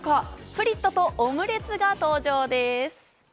フリットとオムレツが登場です。